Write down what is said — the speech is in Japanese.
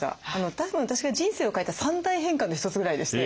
たぶん私が人生を変えた３大変化の一つぐらいでして。